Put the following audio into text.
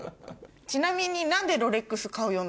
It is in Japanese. ちなみに。